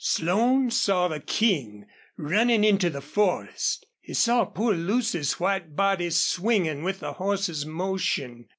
Slone saw the King running into the forest. He saw poor Lucy's white body swinging with the horse's motion.